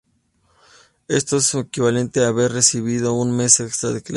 Esto es equivalente a haber recibido un mes extra de clases.